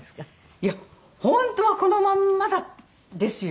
いや本当はこのまんまですよ。